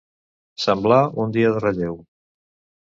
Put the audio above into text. Semblar un dia de relleu.